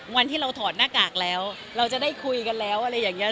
วันที่เราถอดหน้ากากแล้วเราจะได้คุยกันแล้วอะไรอย่างนี้